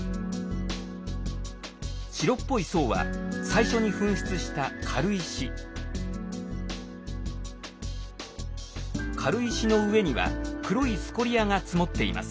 白っぽい層は最初に噴出した軽石の上には黒いスコリアが積もっています。